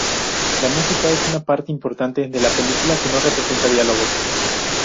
La música es una parte importante de la película, que no presenta diálogos.